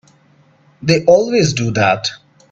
They always do that.